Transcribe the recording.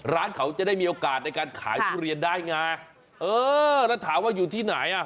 ร้านเขาจะได้มีโอกาสในการขายทุเรียนได้ไงเออแล้วถามว่าอยู่ที่ไหนอ่ะ